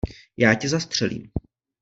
Já tě zastřelím!